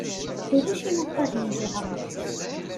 Ulac imakaren deg yiɣrem.